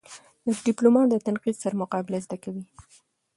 د ډيپلومات د تنقید سره مقابله زده وي.